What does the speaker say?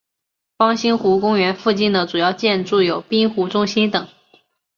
方兴湖公园附近的主要建筑有滨湖中心等。